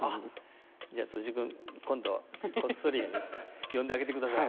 じゃあ辻井くん今度こっそり呼んであげてください。